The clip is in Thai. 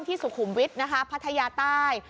สุขุมวิทย์นะคะพัทยาใต้